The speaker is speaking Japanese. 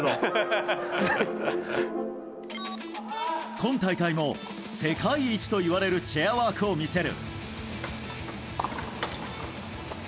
今大会も世界一といわれるチェアワークを見せる。